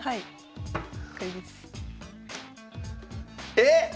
えっ